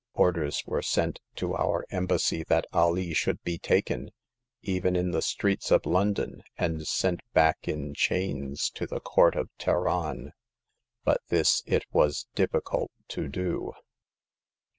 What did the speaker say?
Orders were sent to our Embassy that Alee should be taken, even in the streets of London, and sent back in chains 270 Hagar of the Pawn Shop. to the Court of Teheran ; but this, it was difficult to do."